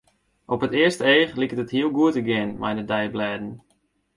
Op it earste each liket it hiel goed te gean mei de deiblêden.